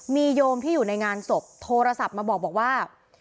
มีโยมที่อยู่ในงานศพโทรศัพท์มาบอกว่า